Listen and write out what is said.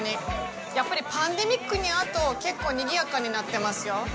やっぱりパンデミックの後結構にぎやかになってますよ。